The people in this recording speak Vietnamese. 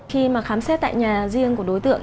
khi mà khám xét tại nhà riêng của đối tượng